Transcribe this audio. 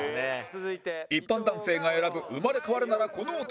一般男性が選ぶ生まれ変わるならこの男